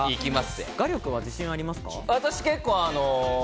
画力に自信はありますか？